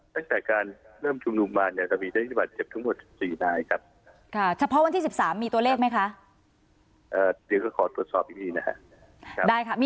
ตั้งแต่การเริ่มชุมนุมมาเนี่ยจะมีเจ้าหน้าที่บาดเจ็บทั้งหมด๔นายครับ